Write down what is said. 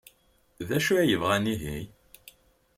D acu ay bɣan ihi?